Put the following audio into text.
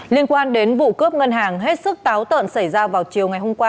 liên quan đến vụ cướp ngân hàng hết sức táo tợn xảy ra vào chiều ngày hôm qua